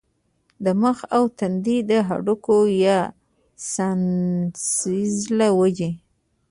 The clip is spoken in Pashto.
د مخ او تندي د هډوکو يا سائنسز له وجې